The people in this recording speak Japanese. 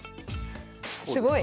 すごい。